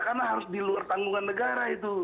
karena harus di luar tanggungan negara itu